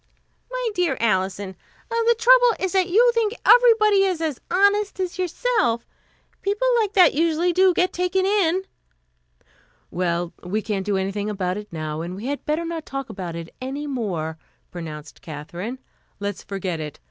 "My dear Alison, the trouble is that you think everybody is as honest as yourself. People like that usually do get taken in." "Well, we can't do anything about it now, and we had better not talk about it any more," pronounced Katherine. "Let's forget it.